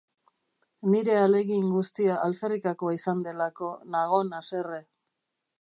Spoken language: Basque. Nire ahalegin guztia alferrikakoa izan delako nagon haserre.